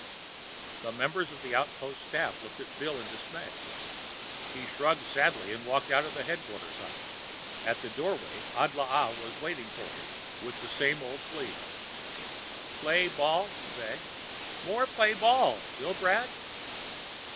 The members of the outpost staff looked at Bill in dismay. He shrugged sadly and walked out of the headquarters hut. At the doorway, Adlaa was waiting for him with the same old plea. "Play ball?" he begged. "More play ball, Billbrad?"